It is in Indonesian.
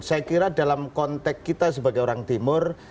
saya kira dalam konteks kita sebagai orang timur